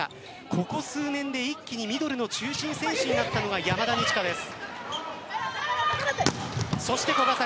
ここ数年で一気にミドルの中心選手になったのが山田二千華です。